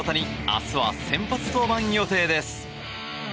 明日は先発登板予定です。